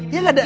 iya gak ada